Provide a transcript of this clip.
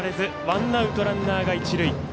ワンアウト、ランナーが一塁。